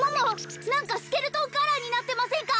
何かスケルトンカラーになってませんか！？